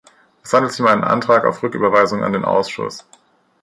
Es handelt sich um einen Antrag auf Rücküberweisung an den Ausschuss.